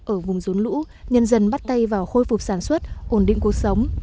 ở vùng rốn lũ nhân dân bắt tay vào khôi phục sản xuất ổn định cuộc sống